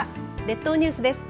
列島ニュースです。